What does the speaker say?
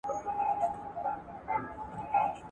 لارښود د شاګردانو د هڅولو لپاره انعامونه ټاکي.